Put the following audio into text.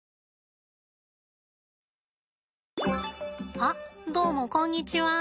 あっどうもこんにちは。